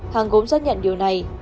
hằng cũng xác nhận điều này